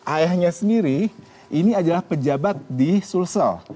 ayahnya sendiri ini adalah pejabat di sulsel